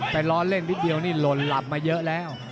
แต่ล้อเล่นนิดเดียวนี่หล่นหลับมาเยอะแล้ว